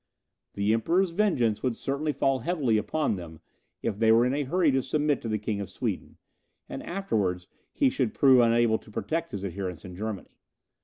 The Emperor's vengeance would certainly fall heavily upon them, if they were in a hurry to submit to the King of Sweden, and afterwards he should prove unable to protect his adherents in Germany.